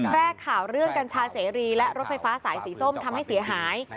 ข่าวเรื่องกัญชาเสรีและรถไฟฟ้าสายสีส้มทำให้เสียหาย